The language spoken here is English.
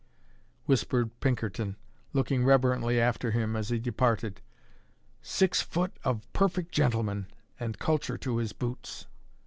whispered Pinkerton, looking reverently after him as he departed. "Six foot of perfect gentleman and culture to his boots."